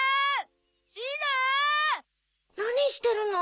何してるの？